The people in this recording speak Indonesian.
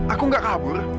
aku gak kabur